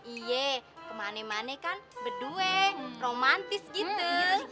iya kemane mane kan berdua romantis gitu